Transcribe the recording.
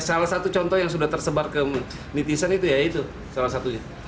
salah satu contoh yang sudah tersebar ke netizen itu ya itu salah satunya